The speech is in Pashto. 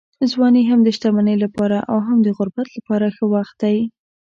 ځواني هم د شتمنۍ لپاره او هم د غربت لپاره ښه وخت دی.